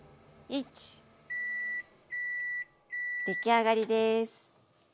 できあがりです。